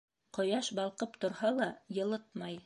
Ҡояш балҡып торһа ла, йылытмай.